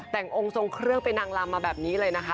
แต่งองค์ทรงเครื่องเป็นนางลำมาแบบนี้เลยนะคะ